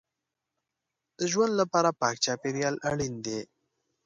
د ژوند لپاره پاک چاپېریال اړین دی.